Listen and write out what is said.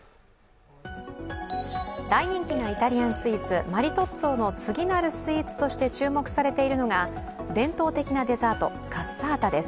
大人気のイタリアンスイーツ、マリトッツォの次なるスイーツとして注目されているのが、伝統的なデザート、カッサータです。